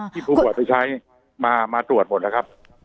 ผู้ป่วยไปใช้มาตรวจหมดแล้วครับ